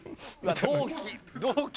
同期。